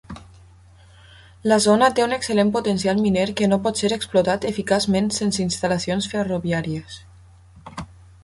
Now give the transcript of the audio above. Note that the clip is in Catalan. La zona té un excel·lent potencial miner que no pot ser explotat eficaçment sense instal·lacions ferroviàries.